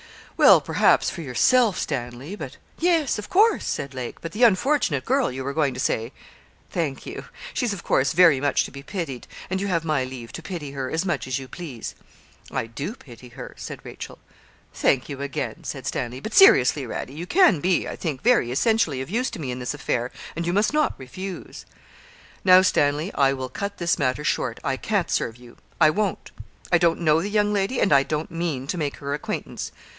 'Well, perhaps, for yourself, Stanley; but ' 'Yes, of course,' said Lake; 'but the unfortunate girl, you were going to say thank you. She's, of course, very much to be pitied, and you have my leave to pity her as much as you please.' 'I do pity her,' said Rachel. 'Thank you, again,' said Stanley; 'but seriously, Radie, you can be, I think, very essentially of use to me in this affair, and you must not refuse.' 'Now, Stanley, I will cut this matter short. I can't serve you. I won't. I don't know the young lady, and I don't mean to make her acquaintance.'